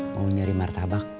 mau nyari martabak